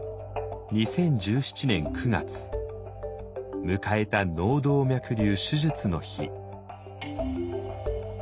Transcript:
２０１７年９月迎えた「脳動脈瘤」手術の日。